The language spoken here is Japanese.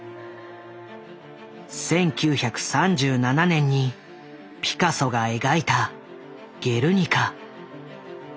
１９３７年にピカソが描いた「ゲルニカ」。